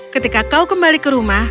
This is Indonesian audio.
ketika kau kembali ke rumah